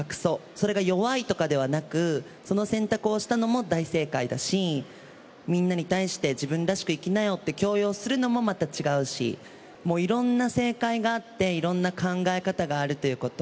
それが弱いとかではなく、その選択をしたのも大正解だし、みんなに対して、自分らしく生きなよって強要するのもまた違うし、もう、いろんな正解があって、いろんな考え方があるということ。